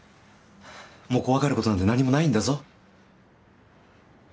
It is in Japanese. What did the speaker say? もう怖がることなんて何もないんだぞ